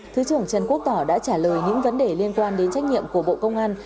thứ trưởng trần quốc tỏ đã trả lời những vấn đề liên quan đến trách nhiệm của bộ công an